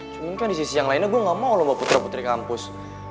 cuma kan di sisi yang lainnya gue gak mau lomba putra putri kampus